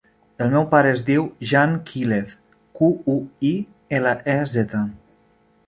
El meu pare es diu Jan Quilez: cu, u, i, ela, e, zeta.